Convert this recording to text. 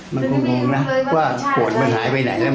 มันโง่โง่นะว่าขวดมันหายไปไหนแล้วมันคือ